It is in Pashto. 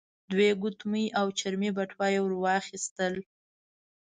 دوې ګوتمۍ او چرمې بټوه يې ور واخيستل.